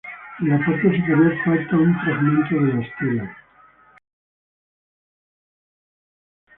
En la parte superior falta un fragmento de la estela.